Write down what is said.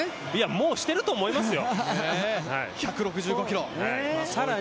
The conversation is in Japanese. もうしてると思いますよ。